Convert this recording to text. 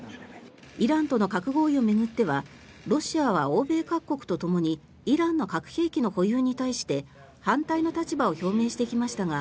イランとの核合意を巡ってはロシアは欧米各国とともにイランの核兵器の保有に対して反対の立場を表明してきましたが